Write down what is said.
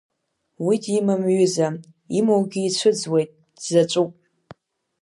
Уи димам ҩыза, имоугьы ицәыӡуеит, дзаҵәуп.